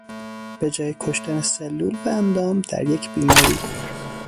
به جای کشتن سلول و اندام در یک بیماری